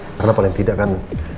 karena paling tidak kan